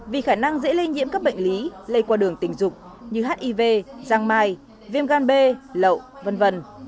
vì khả năng dễ lây nhiễm các bệnh lý lây qua đường tình dục như hiv giang mai viêm gan bẩu v v